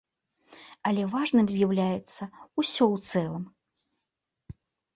Але важным з'яўляецца ўсё ў цэлым.